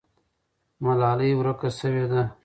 ملالۍ ورکه سوې ده.